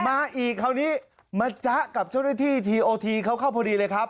มาอีกคราวนี้มาจ๊ะกับเจ้าหน้าที่ทีโอทีเขาเข้าพอดีเลยครับ